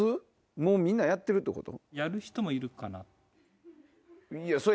もうみんなやってるってこと？